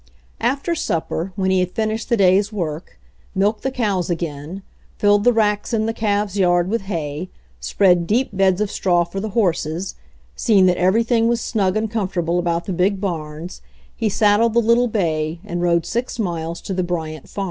After supper, when he had finished the day's work, milked the cows again, filled the racks in the calves' yard with hay, spread deep beds of straw for the horses, seen that everything was snug and comfortable about the big barns, he sad dled the little bay and rode six miles to the Bryant farm.